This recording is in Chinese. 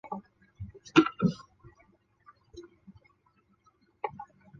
硼烷衍生物双长叶烯基硼烷在有机合成中用作手性硼氢化试剂。